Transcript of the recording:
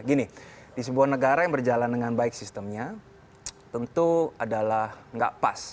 gini di sebuah negara yang berjalan dengan baik sistemnya tentu adalah nggak pas